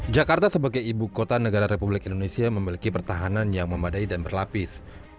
jakarta sebagai ibu kota negara republik indonesia memiliki pertahanan yang memadai dan berlapis